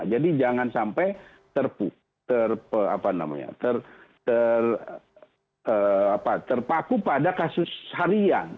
jadi jangan sampai terpaku pada kasus harian